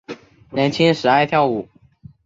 年轻时爱跳舞。